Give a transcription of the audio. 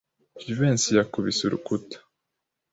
Jivency yakubise urukuta.